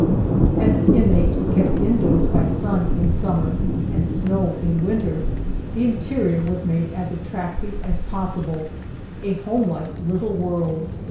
As its inmates were kept indoors by sun in summer and snow in winter, the interior was made as attractive as possible, a home like little world.